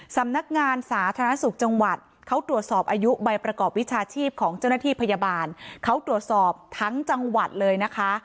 สำนักงานสาธารณสุขจังหวัดเขาตรวจสอบอายุใบประกอบวิชาชีพของเจ้าหน้าที่พยาบาลเขาตรวจสอบทั้งจังหวัดเลยนะคะ